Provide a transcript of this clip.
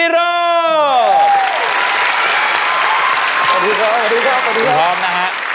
พร้อมนะ